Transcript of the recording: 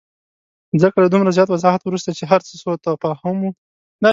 ځکه له دومره زیات وضاحت وروسته چې هرڅه سوءتفاهم وو.